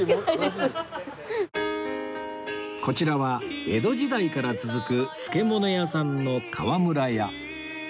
こちらは江戸時代から続く漬物屋さんの河村屋